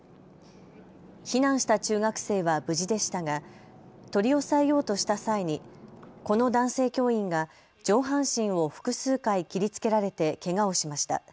避難した中学生は無事でしたが取り押さえようとした際にこの男性教員が上半身を複数回切りつけられてけがをしました。